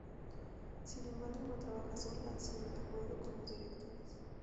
Sin embargo, no trabaja sola, sino de acuerdo con los directores.